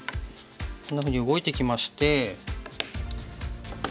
こんなふうに動いてきまして。